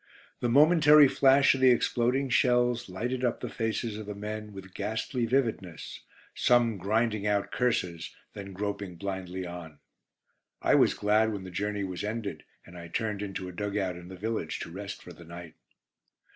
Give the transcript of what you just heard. The momentary flash of the exploding shells lighted up the faces of the men with ghastly vividness, some grinding out curses then groping blindly on. I was glad when the journey was ended, and I turned into a dug out in the village to rest for the night.